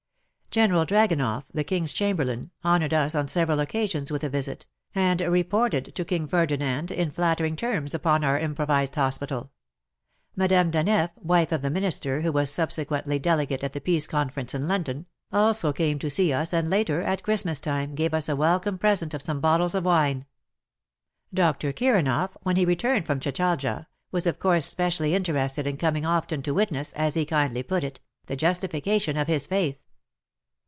General Draganoff — the King's Chamberlain — honoured us on several occasions with a visit, and reported to King Ferdinand in flattering terms upon our im provized hospital. Madame Daneff, wife of the Minister who was subsequently delegate at the Peace Conference in London, also came to see us, and later, at Christmas time, gave us a welcome present of some bottles of wine. Dr. Kiranoff, when he returned from Chat alja, was of course specially interested in coming often to witness, as he kindly put it, " the justification of his faith."